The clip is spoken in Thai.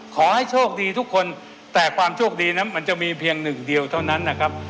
ขอให้โชคดีทุกคนแต่ความโชคดีนั้นมันจะมีเพียงหนึ่งเดียวเท่านั้นนะครับ